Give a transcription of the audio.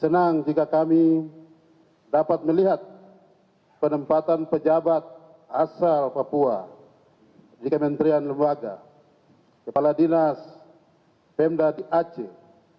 senang jika kami dapat melihat penempatan pejabat asal papua di kementerian lembaga kepala dinas pemda di aceh